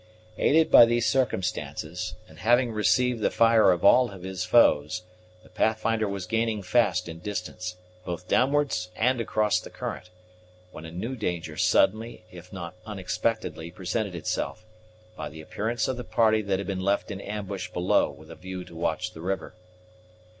Aided by these circumstances, and having received the fire of all his foes, the Pathfinder was gaining fast in distance, both downwards and across the current, when a new danger suddenly, if not unexpectedly, presented itself, by the appearance of the party that had been left in ambush below with a view to watch the river.